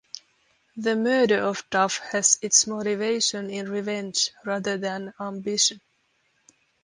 The murder of Duff has its motivation in revenge, rather than ambition.